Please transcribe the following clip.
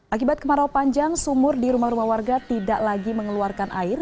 akibat kemarau panjang sumur di rumah rumah warga tidak lagi mengeluarkan air